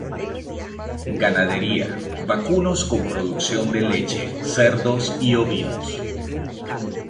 Ganadería: Vacunos con producción de leche, cerdos y ovinos.